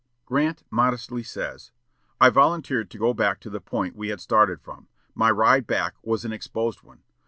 Grant modestly says, "I volunteered to go back to the point we had started from.... My ride back was an exposed one.